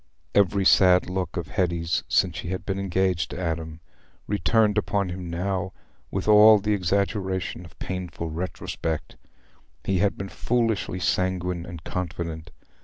Every sad look of Hetty's, since she had been engaged to Adam, returned upon him now with all the exaggeration of painful retrospect. He had been foolishly sanguine and confident.